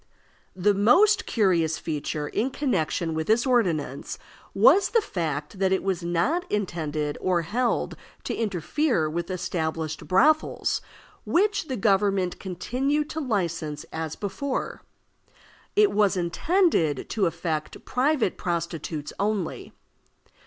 The most curious feature in connection with this ordinance was the fact that it was not intended or held to interfere with established brothels, which the government continued to license as before. It was intended to affect private prostitutes only.